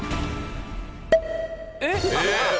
えっ！